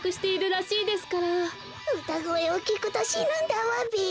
うたごえをきくとしぬんだわべ。